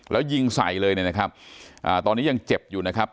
แล้วยิงใส่เลยเนี่ยนะครับตอนนี้ยังเจ็บอยู่นะครับ